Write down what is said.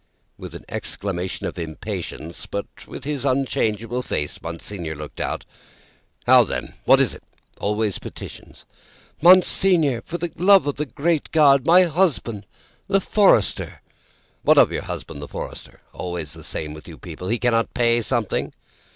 With an exclamation of impatience, but with his unchangeable face, Monseigneur looked out. "How, then! What is it? Always petitions!" "Monseigneur. For the love of the great God! My husband, the forester." "What of your husband, the forester? Always the same with you people. He cannot pay something?"